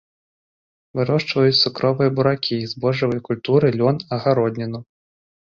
Вырошчваюць цукровыя буракі, збожжавыя культуры, лён, агародніну.